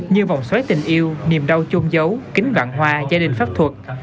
như vòng xoáy tình yêu niềm đau chôn dấu kính vạn hoa gia đình pháp luật